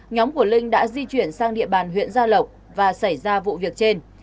nhóm của linh đã di chuyển sang địa bàn huyện gia lộc và xảy ra vụ việc trên